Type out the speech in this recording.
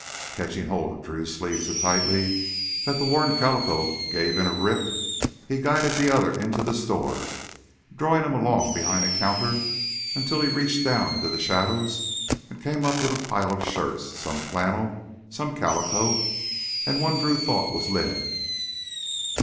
Catching hold of Drew's sleeve so tightly that the worn calico gave in a rip, he guided the other into the store, drawing him along behind a counter until he reached down into the shadows and came up with a pile of shirts, some flannel, some calico, and one Drew thought was linen.